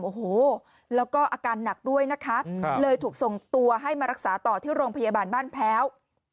โอ้โหแล้วก็อาการหนักด้วยนะคะเลยถูกส่งตัวให้มารักษาต่อที่โรงพยาบาลบ้านแพ้ว